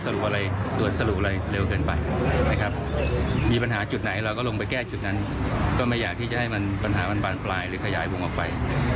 เราก็ลงไปแก้จุดนั้นก็ไม่อยากให้มันป็นหาบรรฟลายทรยายวงออกไป